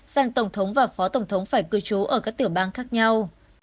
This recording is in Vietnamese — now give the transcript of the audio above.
sang tổng thống và phó tổng thống phải cư trú ở các tiểu bang khác nhau